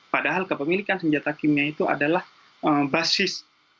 padahal kepemilikan senjata kimia itu adalah basis